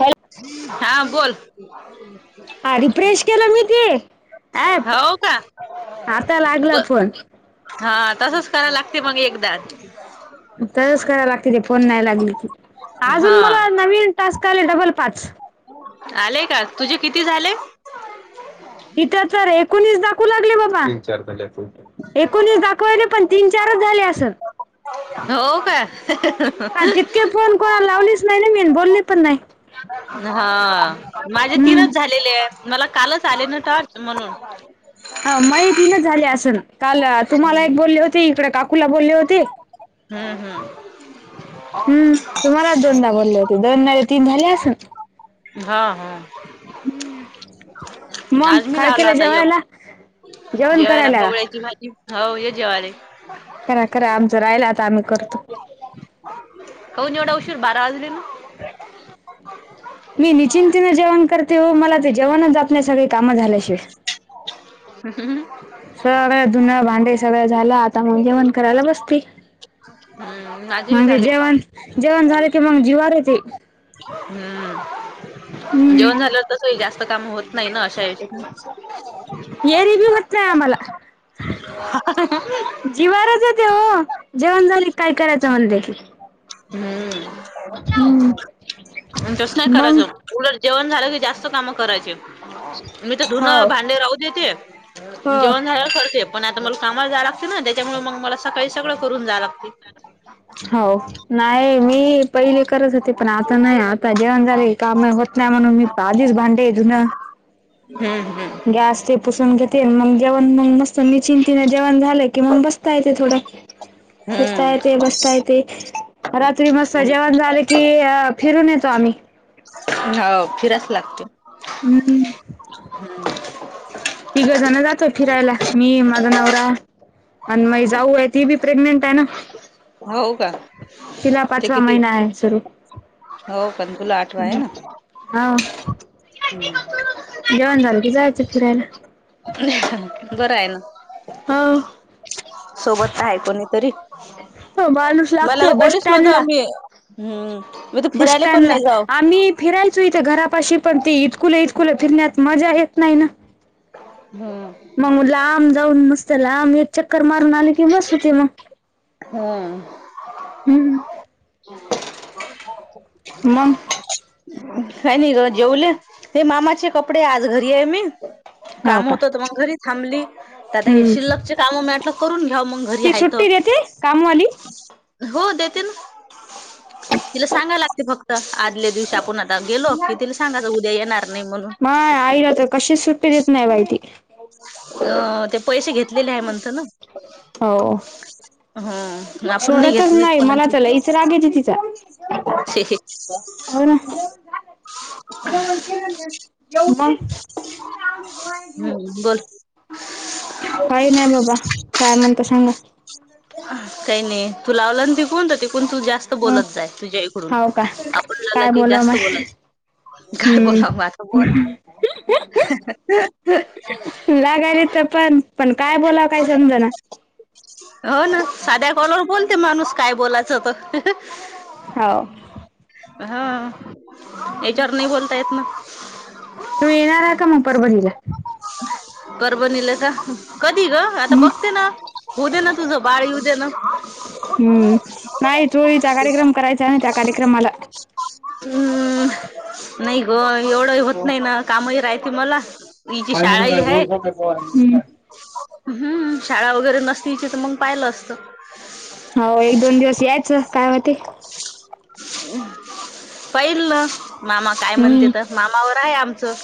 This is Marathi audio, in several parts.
हॅलो. हा बोल. केल मी ते ऍप हो का आता लागला ब फोन हा तसच कराय लागते मग एकदा तसच कराय लागते ते फोन नाही लागली की हा अजून मला नवीन टास्क आले डबल पाच आलेय का तुझे किती झाले? तिथं तर एकोणीस दाखवू लागले बाबा एकोणीस दाखवालय पण तीन चारच झाले असंन. हो का? ह ह ह ह. का तितके फोन कोणाला लावलीच नाही ना मी बोल्ली पण नाही. हा माझे हम्म तीनच झालेले आहे मला कालच आले ना टास्क म्हणून ह माहि तीन झाली असन काल तुम्हाला एक बोलले होते इकडे काकूला बोलले होते. हम्म हम्म. हम्म तुम्हालाच दोनदा बोल्ले होते दोन नाहीतर तीन झाले असन. हा हा. हम्म मग आज मी काय लावला केल होता योग जेवायला जेवण जेवायला करायल्याका? कवळ्याची भाजी हो ये जेवाले. करा करा आमचं राहिला आता आम्ही करतो. कऊन एवढा उशीर बारा वाजली ना. [inaudible] मी निचिंंतने जेवण करते हो मला ते जेवण जातनाय सगळी कामं झाल्याशिवाय हम्म ह ह. सगळ धून भांडे सगळं झालं आता मग जेवण करायला बसते. हम्म. मजे जेवण जेवण झाले की मग जीवार येते. हम्म हम्म जेवण झालंवर तसंई जास्त काम होत नाही ना अश्या यचातन एरी भी होत नाही आमाला हा हा ह. जिवारच येते ओ हो जेवण झाले की काय करायचं म्हले कि हम्म अन तस नाही करायच. मग उलट जेण झालं की जास्त कामं करायची. मी तर धुनं हो भांडे राहूदेते हो जेवण झाल्यावर करते. पण आता मला कामाला जा लागते ना त्याच्यामुळे मग मला सकाळी सगळं करून जाय लागते. हो नाही मी पहिले करत हो. ते पण आता नाही आता जेवण झाले की काम होत नाही म्हणून मी आधीस भांडे धून हम्म. हम्म गॅस ते पुसून घेते मग जेवण मग मस्त निचिंतीने जेवण झालं की मग बस. ता येते थोडं फिसता येते बसता येते. रात्री मस्त जेवण झालं की फिरून येतो आम्ही हो फिराच लागतो. हम्म. तिघंजण जातो फिरायला मी माझा नवरा आण मई जाऊ आहे ती बी प्रेग्नेंट आहे ना. होव का? तिला ते पाचवा किती महिना आहे सुरू हो पण तुला आठवा आहे ना हो. जेवण झालं की जायचं फिरायला. बरं आहे ना. हा. सोबत आहे कोणीतरी. माणूस मला लागते तर बस कोणीच नव्हतं. स्टँडला. मी हम्म. मी तर बस फिरायला पण स्टँडला नाही जाव आम्ही फिरायचं इथं घरापाशी पण ते इतकुल इतकुल फिरण्यात मजा येत नाही ना. हम्म. मग लांब जाऊन मस्त लांब एक चक्कर मारून आले की बस होते मग. हम्म. हम्म. [inaudible] मग काय नाही ग, जेवले. हे मामाचे कपडे आज घरी आहे मी हो काम का होत तर मग घरी थांबली. ते आता हे हम्म. शिल्लकचे कामं म्हटलं करून घ्यावं मग घरी ती हाय त. सुट्टी देते कामवाली हो देते ना. तिला सांगायला लागते फक्त आदल्या दिवशी आपण आता गेलो, की तिला सांगायचं उद्या येणार नाही म्हणून. माय आईला [inaudible] तर कशीच सुट्टी देत नाही बाई ती. अ ते पैसे घेतलेले आहे म्हणतं ना? हो हं. सोडतच नाही मला तर लईच राग येतो तिचा. हो ना. मग? हम्म बोल. काही नाही बाबा. काय म्हणता सांगा? काही नाही तू लावला तिकुन तर तिकुन जास्- तू ह बोलत जाय तुझ्या इकडून हो का आपण लावला काय की बोलाव म जास्त बोलायचं. काय बोलाव हम्म आता? लागायले तर पण, पण काय बोलावं काय समजना. हो ना साध्या कॉलवर बोलते माणूस काय बोलायचं तो. हो. हं याच्यावर नाही बोलता येत ना. तुम्ही येणार आहे का मग परभणीला? परभणीला का, कधी ग? आता हम्म बघते ना. होऊ दे ना, तुझं बाळ येऊ दे ना. हम्म नाही चोरळीचा कार्यक्रम करायचा आहे ना त्या कार्यक्रमाला. हम्म. नाही ग एवढंही होत नाही ना, कामही राहते मला. हिची शाळाही हाय. हम्म. हम्म शाळा वगैरे नसती, तर मग पाहिलं असतं. हो एक दोन दिवस यायचं काय होते. पाहिल ना मामा काय हम्म म्हणतेत मामावर काय आमचं,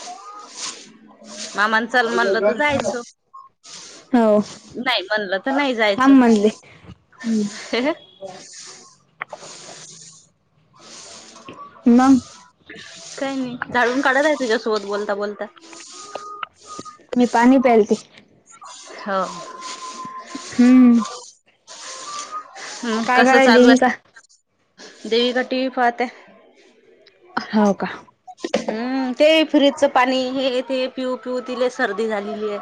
मामानं चल म्हणलं तर जायचं. हो नाही म्हणलं, तर नाही जायचं. थांब म्हणले हम्म [inaudible] मग? काय नाही झाडून काढत आहे, तुझ्यासोबत बोलता बोलता. मी पाणी प्यालते. हो. हम्म. हम्म काय कसं करायला चालू आहे? देवी का देविका टीव्ही पाहत्या. हो का? हम्म, ते फ्रीजच पाणी हे ते पिऊ पिऊ, तिले सर्दी झालेली आहे.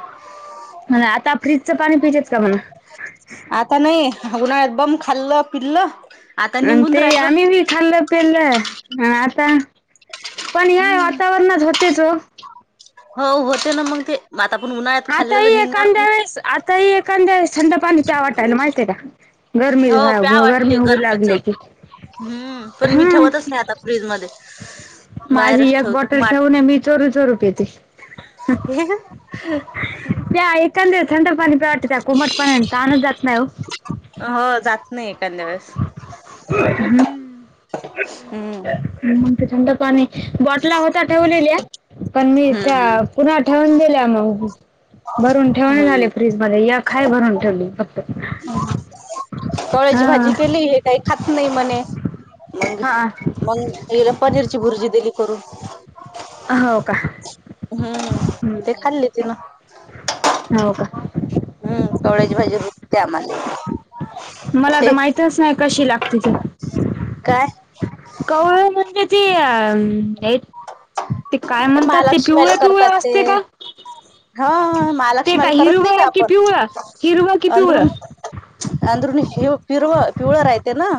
हां आता फ्रीजचं पाणी पितेत का म्हणा. आता नाही, उन्हाळ्यात बम खाल्लं पिल्लं. आता आण निघून ते राहिलं आम्ही व्ही खाल्लं पिलं, हां आता. पण या हम्म वातावरणच होतेच हो. हो होते ना मग ते म आता पण उन्हाळ्यात आताही खाल्लेलं निघणार एखांद्या नाही वळेस, आताही एखांद्या वेळेस, थंड पाणी प्यावं वाटायलं माहिती हाय का? गरमी हो हा प्या घोगार वाटते घेऊ गरमीच लागल्या की. हम्म, पण मी हा ठेवतच नाही आता फ्रीजमध्ये. माझी एक बॉटल ठेवून मी चोरू चोरू पिते. [unintelligible] त्या एखांद थंड पाणी प्यावं वाटतं, त्या कोमट पाण्यानं तहानच जात नाही ओ. हो जात नाही, एखांद्या वेळेस. हम्म. हम्म मी म्हणते, थंड पाणी बॉटला होता ठेवलेल्या. पण मी हम्म त्या हम्म पुन्हा ठेवून दिल्या मग, भरून ठेवण हम्म आले फ्रीजमध्ये. एक हाय भरून ठेवली फक्त. चवाळ्याची भाजी हा केली आहे, काही खात नाही म्हणे. मग हा मग हिला पनीरची भुर्जी दिली करून. हो का हम्म, ते खाल्ली तिनं. हो का. हम्म कवळ्याची भाजी रुतते आम्हाला. मला आता ते माहितच नाही, कशी लागते ते? काय कवाळ म्हणजे ती अ [unintelligible] ते काय म्हणतात, ते पिवळे महालक्ष्मीला पिवळे करतात ते. असते का? हा ते का महालक्ष्मीला करत नाही का हिरवं की आपण, पिवळं हिरवं की पिवळं अंदरून अंदरुनी हिरवं पिरव पिवळं राहहिते ना?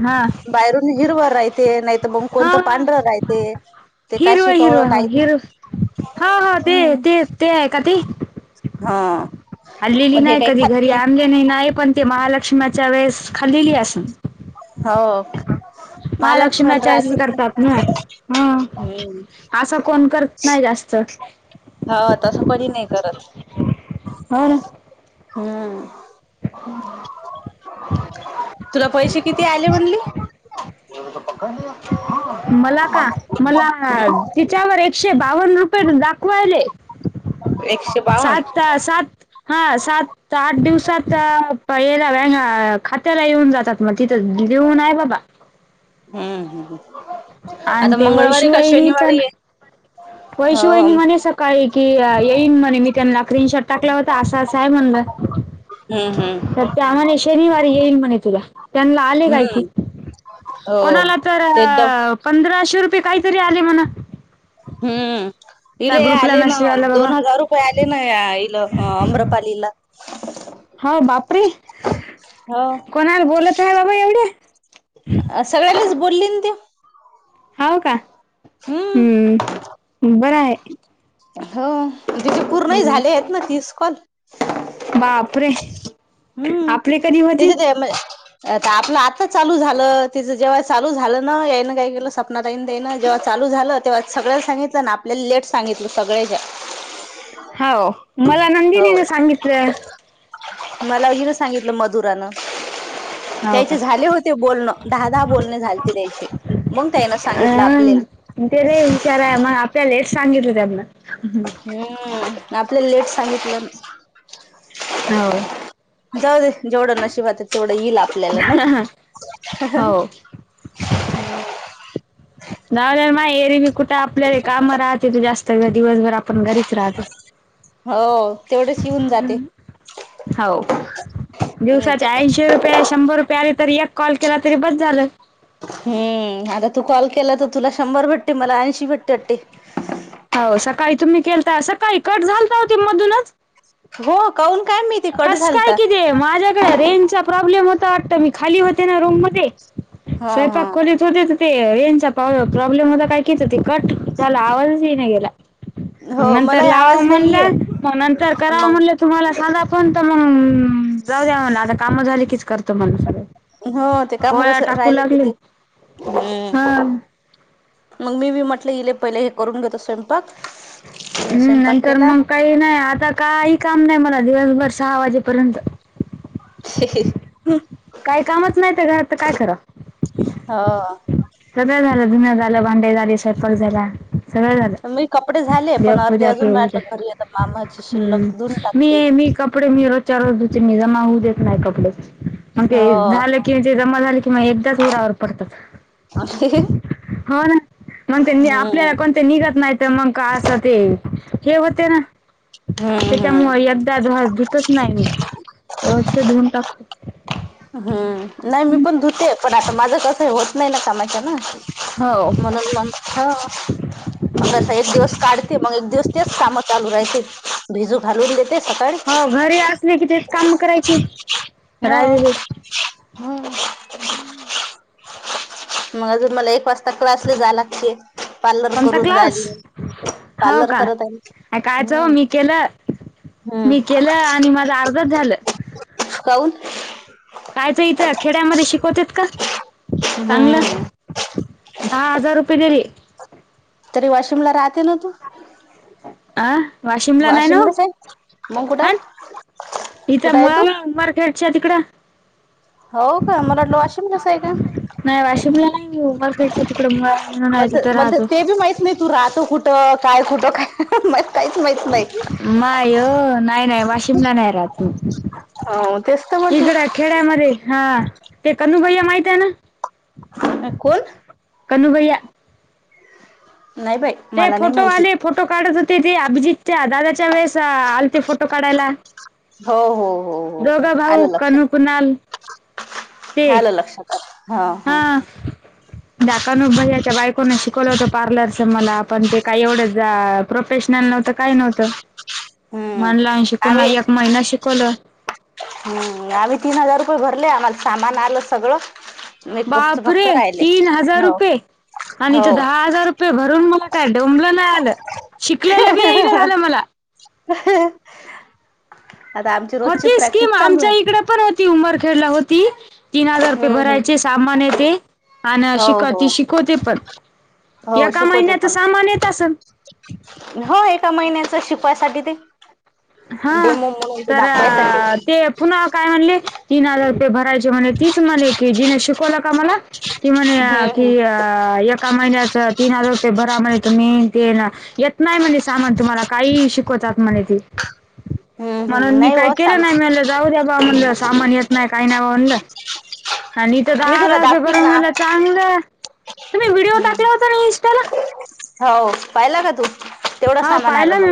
हा बाहेरून हिरवा राहिते, नाहीतर मग हा कोणतं पांढरं राहित. ते ते हिरव काशी कवळ हिरव हो काहीतर. हिर हा हो ते हम्म. ते ते आहे का ते हा. खाल्लेली पण हे नाही, काही कधी खात घरी आणले नाही. नाही पण ते महालक्ष्मीच्या वेळेस खाल्लेली असण. हो. महालक्ष्मीला महालक्ष्मीच्यास राहते वेळी ते करतात ना. हा, हम्म असं कोण करत नाही जास्त. हा, तसं कधी नाही करत. होना. हम्म. हम् तुला पैसे किती आले म्हणली? मला का, मला तिच्यावर एकशे बावन्न रुपये दाखवायले. एकशे बावन्न सात सात, हा सात आठ दिवसात [unintelligible] खात्याला येऊन जातात मग, तिथं दिऊ नाय बाबा. हम्म हम्म हम्म, आणि आता ते मंगळवारी का शनिवारी हो वशू वहिनी म्हणे सकाळी की, येईन म्हणे. मी त्यांना क्रीनशॉट टाकला होता, असं असं हाय म्हणलं. ह हम्म हम्म. तर त्या म्हणे शनिवार येईल म्हणे तुला. त्यांनाला आले काय की हम्म हो कोणाला तर एकदम अ पंधराशे रुपये काहीतरी आले म्हणा. हम्म त्या इले ग्रुपला आले ना मेसेज आला बाबा दोन हजार होय आले ना या इलं अ अम्रपालीला. हो बापरीे हो कोणाला बोलत आहे बाबा एवढे? अ सगळ्यांलीच बोललीन तीव. हाव का हम्म हम्म बरं आहे. हो तिचेे पूर्ण ही हम्म. झाले आहेत ना तीस कॉल. बापरे! हम्म आपले कधी होतील तेच्यात. [unintelligible] तर आपलं आत्ता चालू झालं तिचं जेव्हा चालू झालं ना याईन काही केलं सपना ताईन देई ना जेव्हा चालू झालं तेव्हा सगळ्याला सांगितलं ना आपल्या लेट सांगितलं सगळे जा. हाव मला नंदिनी हो ने सांगितलं. मला हीरं सांगितलं मधुरानं. हो त्याचे का झाले होते बोलणं दहा दहा बोलणे झालेते त्यांचे मंग त्यान सांगितलं अं आपल्याला. ते लई हुशार आहे म आपल्या लेट सांगितलं त्यांना. हम्म आपल्याला लेट सांगितलं हाव जाऊ दे जेवढं नाशिबात तेवढं येईल आपल्याला नाही. हो [unintelligible] मा एरी बी कुठ टा आपल्याले कामं राहते तर जास्त गं दिवसभर आपण घरीच राहतो. हो तेवढेच येऊन जाते हाव नाही दिवसाचे तर काय ऐंशी रु पेय शंभर रुपये आले तरी एक कॉल केला तरी बस झालं. हम्म आता तू कॉल केला तर तुला शंभर भेटते मला ऐंशी भेटते वाटते. हो सकाळी तुम्ही केलता सकाळी कट झालता हो ती मधूनच. हो. काऊन काय मी कसं काय कि ते माझ्या कडं रेंजचा प्रॉब्लेम होतो वाटतं मी खाली होते ना रूम मध्ये हा हा. स्वयंपाक खोली तो तिथं ते रेंजचा [unintelligible] प्रॉब्लेम होता काय कीच ते कट त्याला आवाजच येई नाही गेला. मग हो नंतर मला लावा आवाज नाहीये म्हणलं मग नंतर कराव मग म्हणलं तुम्हाला सादा फोन तर मंग जाऊ द्या म्हणला आता कामं झाली कीच करतो म्हण सगळे. हो ते कामं कसं राहिलं कि ते हा हम्म. मग मी बी म्हटलं इले पहिले हे करून घेतो स्वयं टाक हम्म नंतर मग काही नाही आता काही काम नाही मला दिवसभर सहा वाजेपर्यंत. [unintelligible] काही कामच नाही ते घरात तर काय खरां. हा. सगळं झालं, धुण्या झालं, भांडी झाली, स्वयंपाक झाला. सगळ झालं मी कपडे झाले देव पण अर्धे पूज्या अजून पूजा वाटलं घरी आता मामाची शिल्लक हम्म धुऊन टाकते. मी मी कप कपडे मी रोजच्या रोज धुते मी जमा होऊ देत नाही कपडे मग ते ही हो झाले किण ते जमा झाले किं म एकदाच उरावर पडतात. [unintelligible] हो ना म त्यांनी आपल्याला कोण ते निघत नाहीत मग का असं ते हे होते ना. हम्म हम्म. त्याच्यामुळे एकदा धुआ धुतच नाही मी रोजचा धुऊून टाक हम्म नाही मी पण धुते पण आता माझं कसं होत नाही ना कामाच्या ना. हवं [unintelligible] नसं एक दिवस काढते मग एक दिवस तेच कामं चालू राहतील भिजू घालून देते सकाळी हो घरी असले कि ते काम करायचे हो राहिलेले हम्म मग अजून मला एक वाजता क्लासला जालागते. कोणता क्लास हो पार्लर का करत आहे कायच हो हम्म मी केलं. हम्म मी केलं आणि माझ अर्धच झालं. [unintelligible] काय तर इथं खेड्यामध्ये शिकवत का चांगलं. हम्म दहा हजार रुपये देरी तरी वाशिमला राहते ना तू? अं वाशिमला नाही ना वाशिमलाच आहे मग कुठं ह. इथ कुठं आहे तू मुळालां मारखेटच्या तिकड. हो का मला ल वाशिमलस आहे का? नाही वाशिमला नाही उमरकेट तिकडे मु म्हणून आहे मला तिथं मला राहतो. ते बी माहित नाही तू राहत कुठं काय कुठं काय काहीच माहित नाही. मा अ नाही नाही वाशिमला नाही राहत हो तेच तर तकडे म्हटलं खेड्यामध्ये हा ते कनुभयया माहित आहे ना. ह कोण? कनुभया. नाही बाय. ते फोटो आले फोटो काढत होते ते अभिजीतच्या दादाच्या वेळेस आले ते फोटो काढायला. हो हो हो हो हो दोघं भाऊ आलं कनू लक्षात कुणाल ते खयलं लक्षात. हा. दकानो भैयाच्या बायकोंना शिकवलं होतं पार्लरच मला पण ते काही एवढं प्रोफेशनल नव्हतं काय नव्हतं हम्म म्हण लाून शिकून एक महिना शिकवलं. हम् आम्ही तीन हजार रुपये भरले आम्हाला सामान आलं सगळं. मेकअपच फक्त बापरे राहिले तीन हजार हो रुपये. आणि हो इथ दहा हजार रुपये भरून मला काय डोंबलं नाही आलं. शिकलेलं बी येई ना झालं मला ह. कोती स्कीम चालू आमच्या आहे इकडे पण हो किती उंमर खेळला होती तीन हजार रुपये हम्म हम्म भरायचे सामान येते. ह ना हो शिकव हो ती शिकवते पण हो एका शिकवते महिन्यात पण सामान येत असेल. हो एका महिन्याच शिकवायसाठी ते हा डेमो म्हणून ते तर दाखवायसाठी ते पुन्हा काय म्हणले तीन हजार रुपये भरायचे म्हणे तीच म्हणे कि जि ला का मला कि म्हणे हम्म कि हम्म एका महिन्याच तीन हजार रुपये भरा म्हणे तुम्ही ते येत नाही म्हणजे सामान तुम्हाला काही शिकवतात म्हणे तेी हम्म म्हणून हम्म मी नाही काय हो केलं सांग नाही मलं जाऊ द्या बा म्हणलं सामान येत नाही काही नाही बा म्हणलं. ह. आणि इथ तरहा हजार रुपये करून मला चांगलं. तुम् व्हिडओ हम्म ताल्या हो नाही इंटाा हो पाहिला का तू तेवढं हा सामान आलं पाहिला मला मी